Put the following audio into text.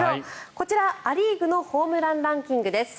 こちら、ア・リーグのホームランランキングです。